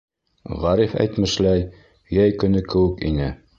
Ғариф әйтмешләй, йәй көнө кеүек ине.